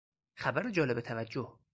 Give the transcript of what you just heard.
خبر جالب توجه